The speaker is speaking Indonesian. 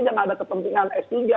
jangan ada kepentingan s tiga